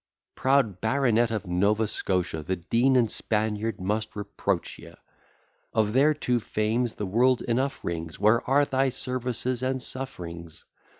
Proud baronet of Nova Scotia! The Dean and Spaniard must reproach ye: Of their two fames the world enough rings: Where are thy services and sufferings?